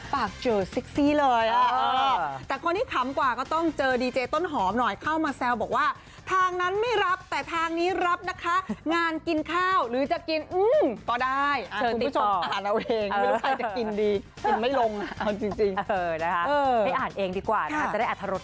ไม่รู้ขาดอะไรเหมือนกันเขาบอกว่าฝากเจอซิ้กซี่เลย